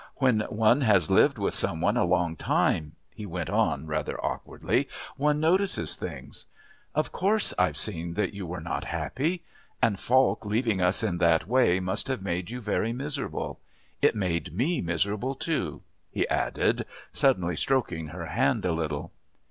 "When one has lived with some one a long time," he went on rather awkwardly, "one notices things. Of course I've seen that you were not happy. And Falk leaving us in that way must have made you very miserable. It made me miserable too," he added, suddenly stroking her hand a little.